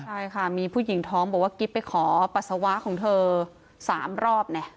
ใช่ค่ะมีผู้หญิงท้องบอกว่ากิ๊บไปขอปัสสาวะของเธอ๓รอบเนี่ย